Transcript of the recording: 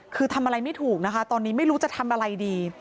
คือทำอะไรไม่ถูกนะคะตอนนี้ไม่รู้จะทำอะไรดี